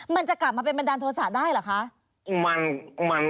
มันจะกลับมาเป็นบันดาลโทษะได้เหรอคะ